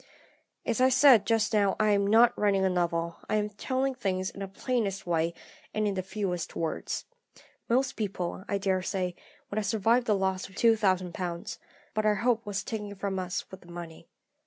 "As I said just now, I am not writing a novel; I am telling things in the plainest way, and in the fewest words. Most people, I daresay, would have survived the loss of £2000, but our hope was taken from us with the money.